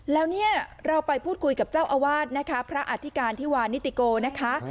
แล้วเนี่ยเราไปพูดคุยกับเจ้าอาวาสนะคะพระอธิการธิวานิติโกนะคะ